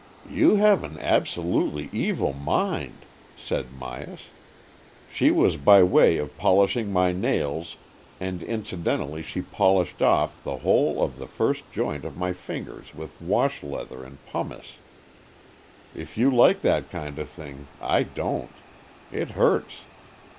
"You have an absolutely evil mind," said Myas. " She was by way of polishing my 32 AN EXCHANGE OF SOULS nails, and incidentally she polished off the whole of the first joint of my fingers with wash leather and pumice. If you like that kind of thing I don't. It hurts.